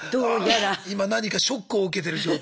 今何かショックを受けてる状態？